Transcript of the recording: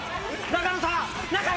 永野さん！